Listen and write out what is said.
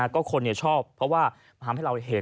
ก็คนชอบเพราะว่าทำให้เราเห็น